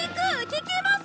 聞きます！